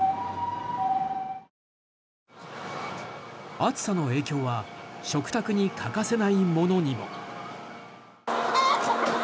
暑さの影響は食卓に欠かせないものにも。